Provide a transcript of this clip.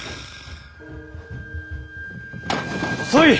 遅い！